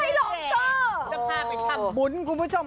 จะพาไปทำบุญคุณผู้ชม